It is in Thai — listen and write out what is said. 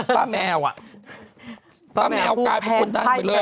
ป้าแมวอ่ะป้าแมวกลายเป็นคนดังไปเลย